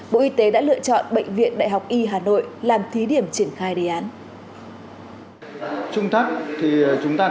bộ y tế đã lựa chọn bệnh viện đại học y hà nội làm thí điểm triển khai đề án